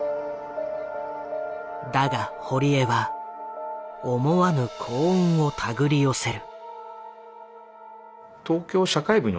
だが堀江は思わぬ幸運を手繰り寄せる。